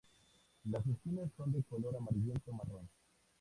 Las espinas son de color amarillento a marrón.